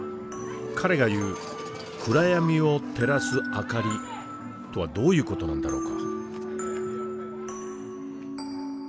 彼が言う「暗闇を照らす明かり」とはどういう事なんだろうか？